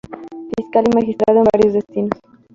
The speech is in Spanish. Fiscal y magistrado en varios destinos.